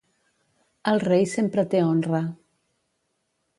El rei sempre té honra.